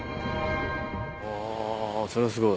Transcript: あそれはスゴい。